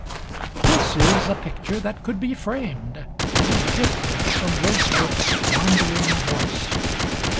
This is a picture that could be framed: how different from Wordsworth's "wandering voice"!